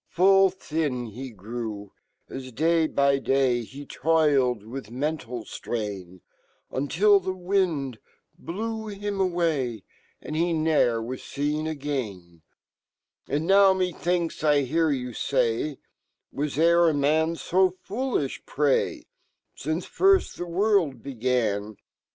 " Full fhin hegrew, aj, day by day, Ho toiled wifh mental flrain, Until fhe wind blew him away, And he no'er wa$ And now mefhinkj J hear you ;ay, u Was ere a man fo fool jfh , pray, Since first fhe world began?"